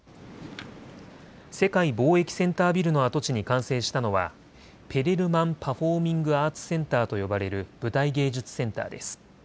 世界貿易センタービルの跡地に完成したのはペレルマン・パフォーミングアーツセンターと呼ばれる舞台芸術センターです。